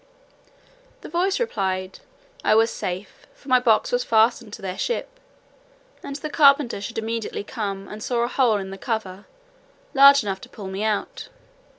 The voice replied, "I was safe, for my box was fastened to their ship; and the carpenter should immediately come and saw a hole in the cover, large enough to pull me out."